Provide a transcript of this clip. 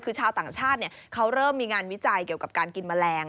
คือชาวต่างชาติเขาเริ่มมีงานวิจัยเกี่ยวกับการกินแมลง